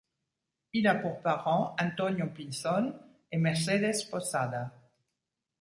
Il a pour parents Antonio Pinzón et Mercedes Posada.